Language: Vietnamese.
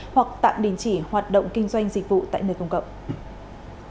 hoặc tạm đình chỉ hoạt động kinh doanh dịch vụ tại nơi công cộng